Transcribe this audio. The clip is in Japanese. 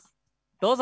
どうぞ。